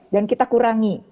dan kita kurangi